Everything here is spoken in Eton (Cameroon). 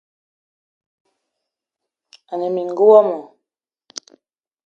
Ane mininga womo